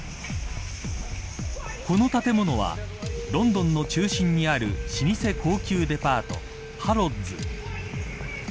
この建物はロンドンの中心にある老舗高級デパートハロッズ。